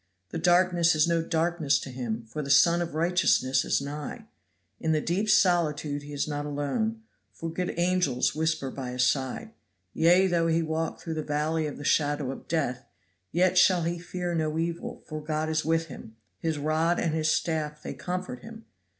The darkness is no darkness to him, for the Sun of righteousness is nigh. In the deep solitude he is not alone, for good angels whisper by his side. 'Yea, though he walk through the valley of the shadow of death, yet shall he fear no evil, for God is with him; his rod and his staff they comfort him.'